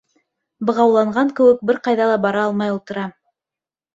Бығауланған кеүек бер ҡайҙа ла бара алмай ултырам.